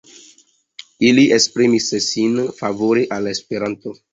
Ili esprimis sin favore al Esperanto.